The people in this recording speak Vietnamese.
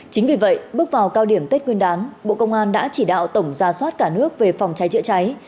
chính vì vậy bước vào cao điểm tết nguyên đán bộ công an đã chỉ đạo tổng gia soát cả nước về phòng cháy chữa cháy